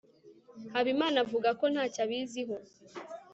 habimana avuga ko ntacyo abiziho